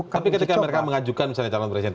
tapi ketika mereka mengajukan misalnya calon presiden